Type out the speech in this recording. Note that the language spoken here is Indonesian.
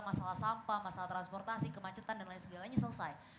masalah sampah masalah transportasi kemacetan dan lain sebagainya selesai